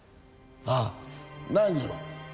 ああ何を？